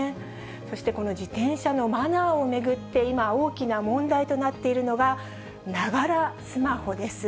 そしてこの自転車のマナーを巡って、今、大きな問題となっているのが、ながらスマホです。